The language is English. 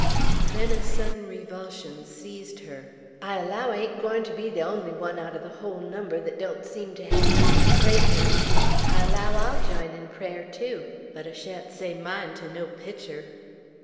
Then a sudden revulsion seized her. "I allow I ain't gwine ter be the unly one out er the hull number thet don't seem to hev nothin' ter pray ter; I allow I'll jine in prayer, tew, but I shan't say mine ter no picter!"